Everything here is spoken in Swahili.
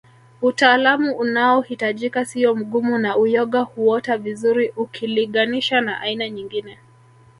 Utaalamu unaohitajika siyo mgumu na uyoga huota vizuri ukiliganisha na aina nyingine